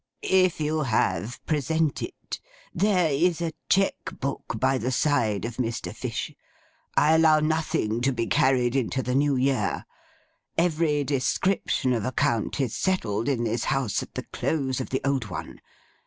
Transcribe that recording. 'If you have, present it. There is a cheque book by the side of Mr. Fish. I allow nothing to be carried into the New Year. Every description of account is settled in this house at the close of the old one.